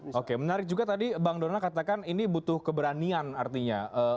oke menarik juga tadi bang donal katakan ini butuh keberanian artinya